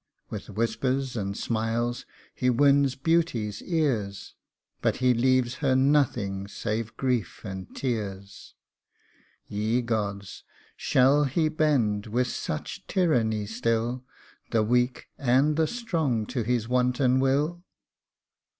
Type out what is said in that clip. With whispers and smiles he wins Beauty's ears, But he leaves her nothing save grief and tears. THE PURPLE AND WHITE CARNATION. 171 Ye gods ! shall he bend with such tyranny still The weak and the strong to his wanton will